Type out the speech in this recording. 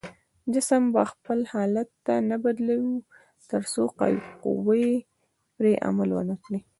جسم به خپل حالت نه بدلوي تر څو قوه پرې عمل ونه کړي.